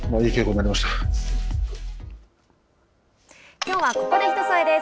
きょうはここで「ひとそえ」です。